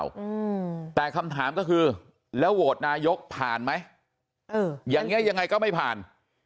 อืมแต่คำถามก็คือแล้วโหวตนายกผ่านไหมเอออย่างเงี้ยังไงก็ไม่ผ่าน